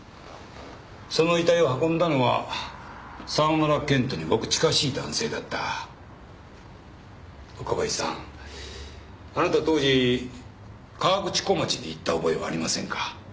その遺体を運んだのは沢村健人にごく近しい男性だった岡林さんあなた当時河口湖町に行った覚えはありませんか？